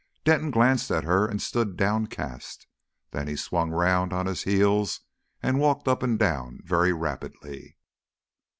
Denton glanced at her and stood downcast. Then he swung round on his heel and walked up and down very rapidly.